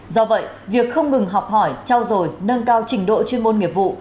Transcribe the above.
do vậy việc không ngừng học hỏi trao dồi nâng cao trình độ chuyên môn nghiệp vụ